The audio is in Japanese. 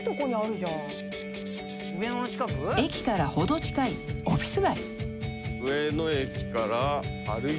［駅から程近いオフィス街］